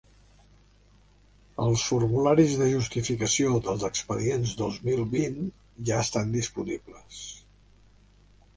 Els formularis de justificació dels expedients dos mil vint ja estan disponibles.